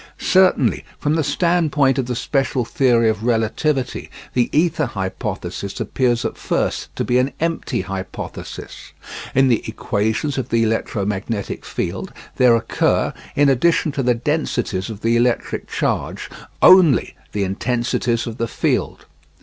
Certainly, from the standpoint of the special theory of relativity, the ether hypothesis appears at first to be an empty hypothesis. In the equations of the electromagnetic field there occur, in addition to the densities of the electric charge, only the intensities of the field.